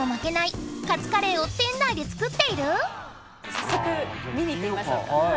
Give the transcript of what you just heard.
早速見に行ってみましょうか。